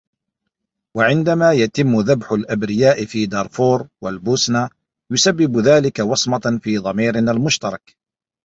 وعندما يتم ذبح الأبرياء في دارفور والبوسنة يسبب ذلك وصمة في ضميرنا المشترك.